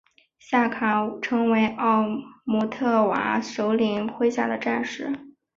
夏卡成为姆特瓦首领麾下的战士。